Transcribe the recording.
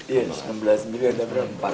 iya enam belas sendiri ada berapa